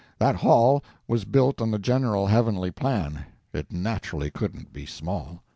That hall was built on the general heavenly plan—it naturally couldn't be small.